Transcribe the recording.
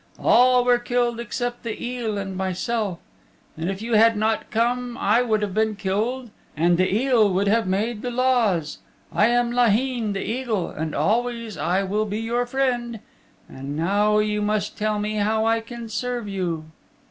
All were killed except the eel and myself, and if you had not come I would have been killed and the eel would have made the laws. I am Laheen the Eagle and always I will be your friend. And now you must tell me how I can serve you."